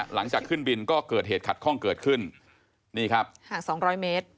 หลังจากขึ้นบินก็เกิดเหตุขัดข้องเกิดขึ้นนี่ครับห่างสองร้อยเมตร